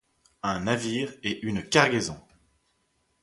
Un navire et une cargaison.